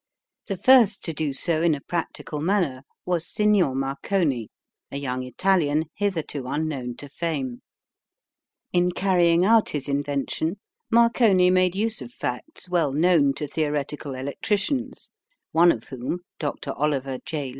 The first to do so in a practical manner was Signer Marconi, a young Italian hitherto unknown to fame. In carrying out his invention, Marconi made use of facts well known to theoretical electricians, one of whom, Dr, Oliver J.